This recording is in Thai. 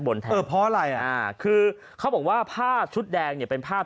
เออเพราะอะไรอ่ะคือเขาบอกว่าผ้าชุดแดงเนี่ยเป็นภาพ